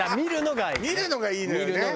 見るのがいいのよね。